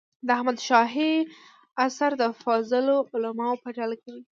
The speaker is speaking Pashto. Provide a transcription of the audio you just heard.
د احمد شاهي عصر د فاضلو علماوو په ډله کې.